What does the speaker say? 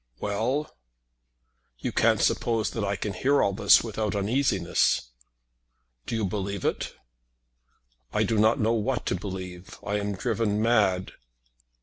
"Well!" "You can't suppose that I can hear all this without uneasiness." "Do you believe it?" "I do not know what to believe. I am driven mad."